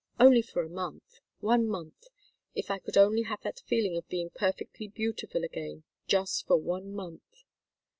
Only for a month one month! If I could only have that feeling of being perfectly beautiful again just for one month."